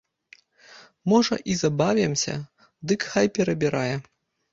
Можа, і забавімся, дык хай перабірае.